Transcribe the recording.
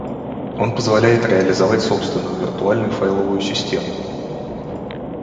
Он позволяет реализовать собственную виртуальную файловую систему